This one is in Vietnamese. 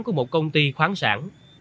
của một công ty khoáng sản